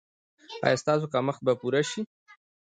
ایا ستاسو کمښت به پوره شي؟